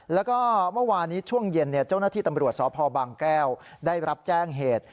แล้วก็เมื่อวานนี้ช่วงเย็นเจ้าหน้าที่ตำรวจสพบางแก้วได้รับแจ้งเหตุ